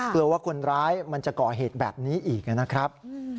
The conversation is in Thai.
กลัวว่าคนร้ายมันจะก่อเหตุแบบนี้อีกนะครับ